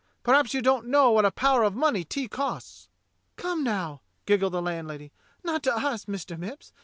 Perhaps you don't know what a power of money tea costs!" "Come, now," giggled the landlady, "not to us. Mister Mipps.